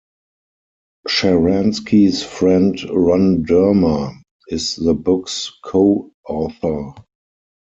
Sharansky's friend Ron Dermer is the book's co-author.